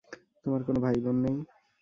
তোমার কোন ভাই বোন নেই?